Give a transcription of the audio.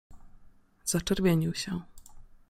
” Zaczerwienił się.